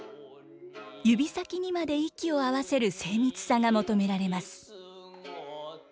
指先にまで息を合わせる精密さが求められます。